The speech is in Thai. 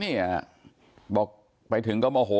เนี่ยบอกไปถึงก็โมโห